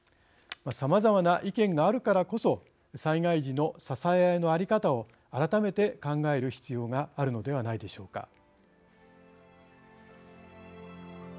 さまざまな意見があるからこそ災害時の支え合いの在り方を改めて考える必要があるのではないでしょうか。